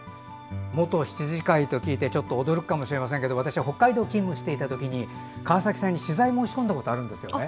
元羊飼いと聞いてちょっと驚くかもしれませんけど私、北海道勤務していた時に河崎さんに取材を申し込んだことがあるんですね。